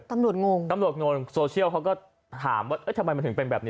งงตำรวจงงโซเชียลเขาก็ถามว่าทำไมมันถึงเป็นแบบนี้